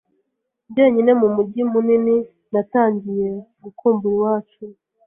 Jyenyine mu mujyi munini, natangiye gukumbura iwacu.